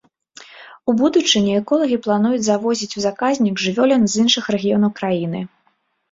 У будучыні эколагі плануюць завозіць у заказнік жывёлін з іншых рэгіёнаў краіны.